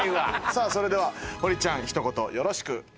さあそれでは堀ちゃんひと言よろしく。